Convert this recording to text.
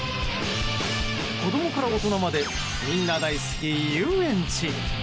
子供から大人までみんな大好き遊園地。